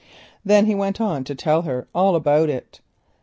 Then he went on to tell her all about it.